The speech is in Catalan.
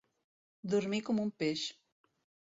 Dormir com un peix.